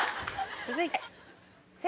続いて。